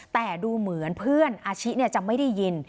แต่ดูเหมือนเพื่อนอาชิจะไม่ได้ยิน